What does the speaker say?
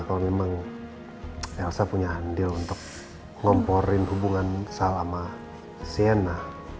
kalau memang elsa punya andil untuk ngomporin hubungan saya sama sienna